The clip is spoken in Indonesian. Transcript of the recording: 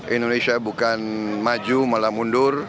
indonesia bukan maju malah mundur